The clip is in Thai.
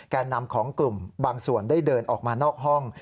นำของกลุ่มบางส่วนได้เดินออกมานอกห้อง